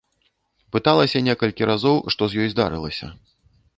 Пыталася некалькі разоў, што з ёй здарылася.